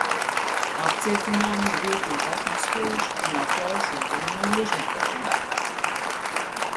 Apcietināmie viltību atmaskojuši un atklājuši uguni no ložmetējiem.